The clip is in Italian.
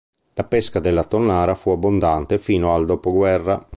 La pesca della tonnara fu abbondante fino al dopoguerra.